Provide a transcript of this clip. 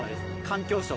環境省